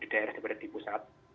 di daerah daerah di pusat